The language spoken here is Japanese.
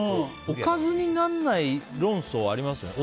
おかずにならない論争はありますよね。